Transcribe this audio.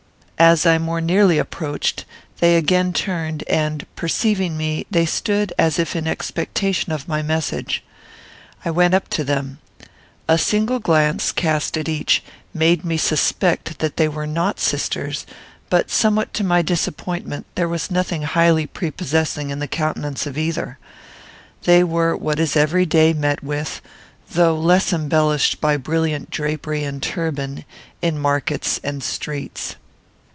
As I more nearly approached, they again turned; and, perceiving me, they stood as if in expectation of my message. I went up to them. A single glance, cast at each, made me suspect that they were not sisters; but, somewhat to my disappointment, there was nothing highly prepossessing in the countenance of either. They were what is every day met with, though less embellished by brilliant drapery and turban, in markets and streets.